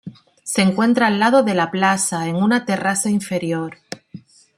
Se encuentra al lado de la plaza, en una terraza inferior.